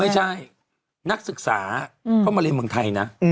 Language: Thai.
ไม่ใช่นักศึกษาเข้ามาเรียนเมืองไทยนะ